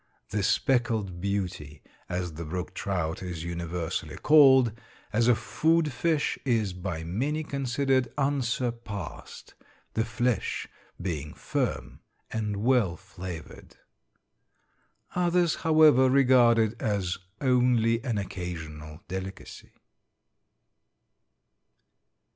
The speckled beauty, as the brook trout is universally called, as a food fish is by many considered unsurpassed, the flesh being firm and well flavored. Others, however, regard it as only an occasional delicacy.